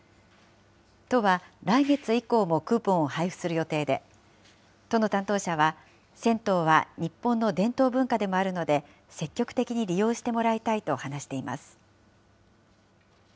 都は、来月以降もクーポンを配布する予定で、都の担当者は、銭湯は日本の伝統文化でもあるので、積極的に利用してもらいたいと話しています。